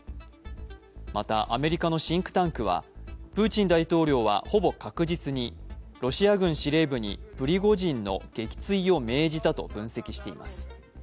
またアメリカのシンクタンクはプーチン大統領はほぼ確実にロシア軍司令部にプリゴジンの撃墜を命じたと分析しています。